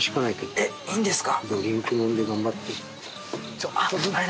あっいいんですか？